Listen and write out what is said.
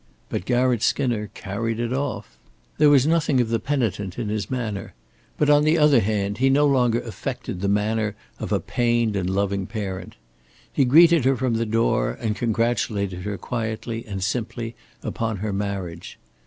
But Garratt Skinner carried it off. There was nothing of the penitent in his manner, but on the other hand he no longer affected the manner of a pained and loving parent. He greeted her from the door, and congratulated her quietly and simply upon her marriage.